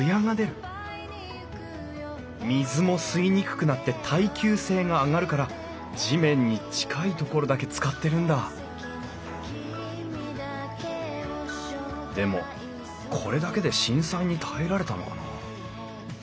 水も吸いにくくなって耐久性が上がるから地面に近いところだけ使ってるんだでもこれだけで震災に耐えられたのかな？